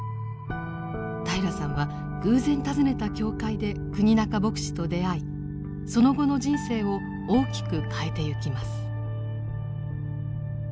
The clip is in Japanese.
平良さんは偶然訪ねた教会で国仲牧師と出会いその後の人生を大きく変えてゆきます。